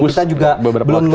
berhembus beberapa waktu